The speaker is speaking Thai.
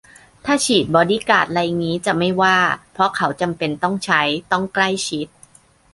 ถ้าฉีดบอดี้การ์ดไรงี้จะไม่ว่า เพราะเขาจำเป็นต้องใช้ ต้องใกล้ชิด